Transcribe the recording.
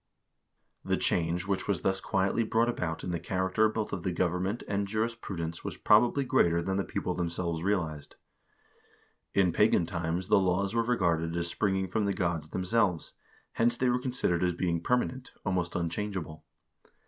The change which was thus quietly brought about in the character both of government and jurisprudence was probably greater than the people themselves realized. In pagan times the laws were re garded as springing from the gods themselves, hence they were considered as being permanent, almost unchangeable.